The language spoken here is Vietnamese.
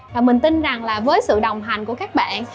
và mình tin rằng là với sự đồng hành của các bạn